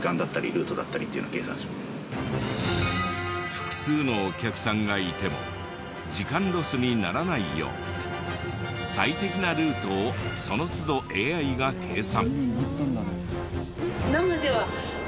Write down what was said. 複数のお客さんがいても時間ロスにならないよう最適なルートをその都度ＡＩが計算。